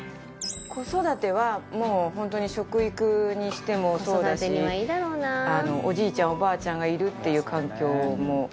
子育てはもう本当に食育にしてもそうだしおじいちゃんおばあちゃんがいるっていう環境も。